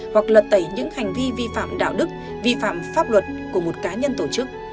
hoặc lật tẩy những hành vi vi phạm đạo đức vi phạm pháp luật của một cá nhân tổ chức